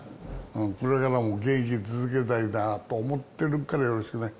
これからも現役続けたいなと思ってるから、よろしくね。